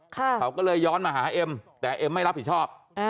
เขาก็เลยย้อนมาหาเอ็มแต่เอ็มไม่รับผิดชอบ